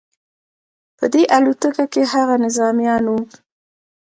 په دې الوتکه کې هغه نظامیان وو